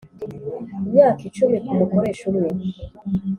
Imyaka icumi ku mukoresha umwe